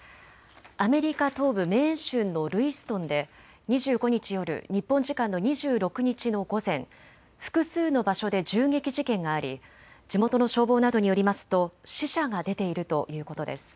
アメリカ東部メーン州のルイストンで２５日夜、日本時間の２６日の午前、複数の場所で銃撃事件があり地元の消防などによりますと死者が出ているということです。